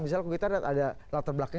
misalnya kalau kita lihat ada latar belakangnya